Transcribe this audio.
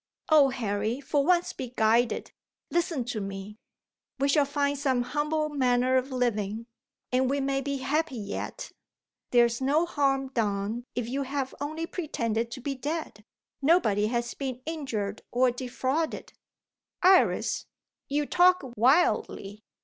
O Harry! for once be guided listen to me! We shall find some humble manner of living, and we may be happy yet. There is no harm done if you have only pretended to be dead; nobody has been injured or defrauded " "Iris, you talk wildly!